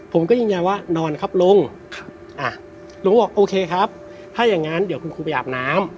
ผมก็ยืนยันว่านอนครับลุงลุงก็บอกโอเคครับถ้าอย่างงั้นเดี๋ยวคุณครูไปอาบน้ำ